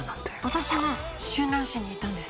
私も春蘭市にいたんです。